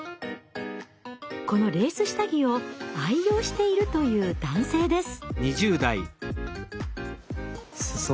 このレース下着を愛用しているという男性です。